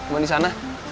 beli di sana